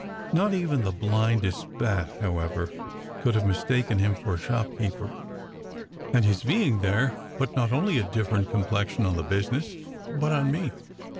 Not even the blindest bat, however, could have mistaken him for a shopkeeper, and his being there put not only a different complexion on the business, but on me.